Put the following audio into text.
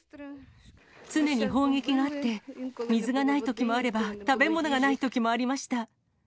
常に砲撃があって、水がないときもあれば、食べ物がないときもありました。